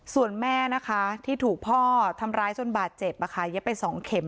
ส่วนแม่นะคะที่ถูกพ่อทำร้ายจนบาดเจ็บเย็บไป๒เข็ม